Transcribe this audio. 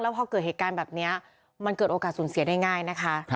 พอเกิดเหตุการณ์แบบนี้มันเกิดโอกาสสูญเสียได้ง่ายนะคะ